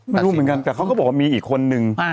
ไม่รู้เหมือนกันแต่เขาก็บอกว่ามีอีกคนนึง